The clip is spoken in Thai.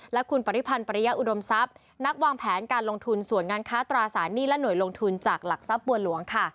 และคุณปริพันธ์ปริยะอุดมทรัพย์นักวางแผนการลงทุนส่วนงานค้าตราสารหนี้และหน่วยลงทุนจากหลักทรัพย์บัวหลวงค่ะ